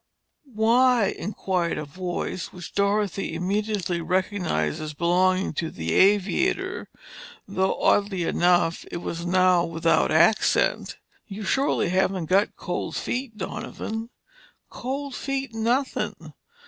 "Why?" inquired a voice which Dorothy immediately recognized as belonging to the aviator, though oddly enough, it was now without accent. "You surely haven't got cold feet, Donovan?" "Cold feet nothing!